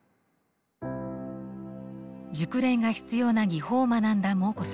熟練が必要な技法を学んだモー子さん。